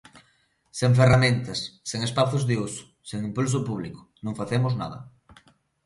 Sen ferramentas, sen espazos de uso, sen impulso público, non facemos nada.